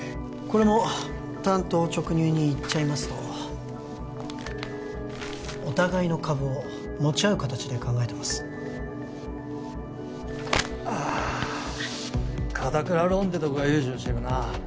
これも単刀直入に言っちゃいますとお互いの株を持ち合う形で考えてますああカタクラローンってとこが融資をしてるな